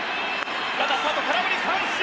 ランナースタート空振り三振！